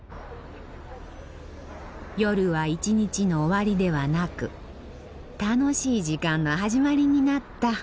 夜は一日の終わりではなく楽しい時間の始まりになった。